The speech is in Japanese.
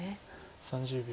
３０秒。